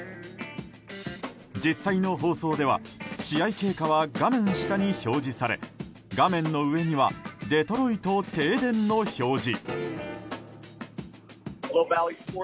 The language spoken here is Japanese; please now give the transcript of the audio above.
実際の放送では試合経過は画面下に表示され画面の上にはデトロイト停電の表示。